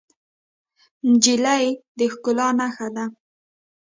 نجلۍ د ښکلا نښه ده.